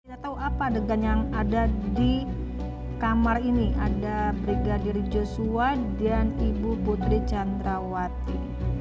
kita tahu apa adegan yang ada di kamar ini ada brigadir joshua dan ibu putri candrawati